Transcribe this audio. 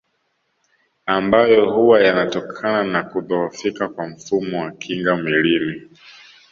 Ambayo huwa yanatokana na kudhohofika kwa mfumo wa kinga mwilini